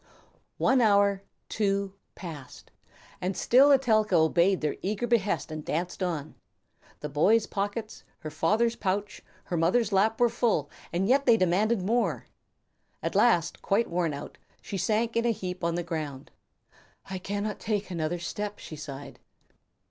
One hour, two, passed, and still Etelka obeyed their eager behest and danced on. The boys' pockets, her father's pouch, her mother's lap were full, and yet they demanded more. At last, quite worn out, she sank in a heap on the ground. "I cannot take another step," she sighed.